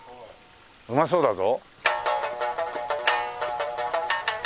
うまそうだぞ。